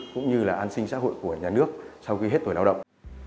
cũng như là an sinh xã hội của nhà nước sau khi hết tuổi lao động